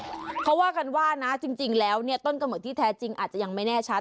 เขาว่ากันว่านะจริงแล้วเนี่ยต้นกำหนดที่แท้จริงอาจจะยังไม่แน่ชัด